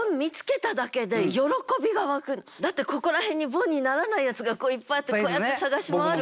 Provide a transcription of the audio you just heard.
だから私だってここら辺にボンにならないやつがいっぱいあってこうやって探し回る。